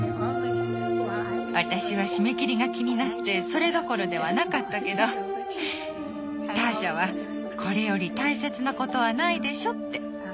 私は締め切りが気になってそれどころではなかったけどターシャは「これより大切なことはないでしょ」って。